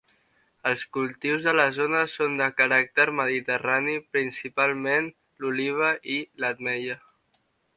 Els cultius de la zona són de caràcter mediterrani, principalment l'oliva i l'ametlla.